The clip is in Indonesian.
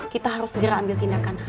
kita harus segera ambil tindakan